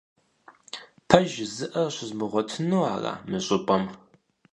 Пэж жызыӀэ щызмыгъуэтыну ара мы щӀыпӀэм?